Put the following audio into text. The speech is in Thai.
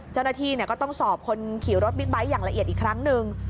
เจ้าหน้าที่ก็ต้องสอบคนขี่รถบิ๊กไบท์อย่างละเอียดอีกครั้งหนึ่ง